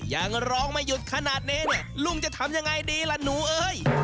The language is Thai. ยังร้องไม่หยุดขนาดนี้เนี่ยลุงจะทำยังไงดีล่ะหนูเอ้ย